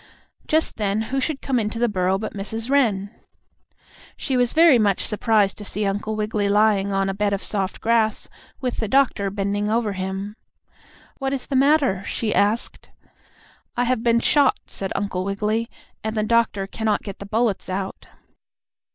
Just then, who should come into the burrow but Mrs. Wren. She was very much surprised to see Uncle Wiggily lying on a bed of soft grass, with the doctor bending over him. "What is the matter?" she asked. "I have been shot," said Uncle Wiggily, "and the doctor cannot get the bullets out."